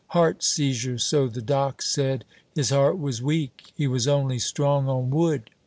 Heart seizure, so the doc' said. His heart was weak he was only strong on wood.